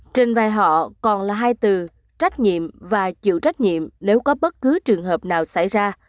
trên vai họ còn là hai từ trách nhiệm và chịu trách nhiệm nếu có bất cứ trường hợp nào xảy ra